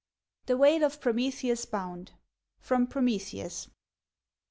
THE WAIL OF PROMETHEUS BOUND. FROM "PROMETHEUS."